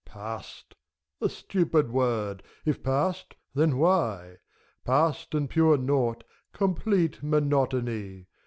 — ^Pastl a stupid word. If past, then why? Past and pure Naught, complete monotony!